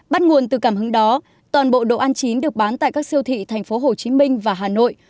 bắt nguồn từ cảm hứng đó toàn bộ đồ ăn chín được bán tại các siêu thị thành phố hồ chí minh và hà nội